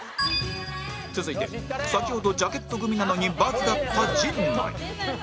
続いて先ほどジャケット組なのに×だった陣内